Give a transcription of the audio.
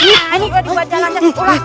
ini dibuat jalan jalan ulang